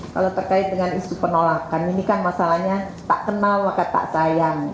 kalau terkait dengan isu penolakan ini kan masalahnya tak kenal maka tak sayang